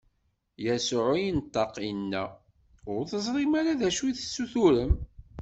Yasuɛ inṭeq, inna: Ur teẓrim ara d acu i tessuturem!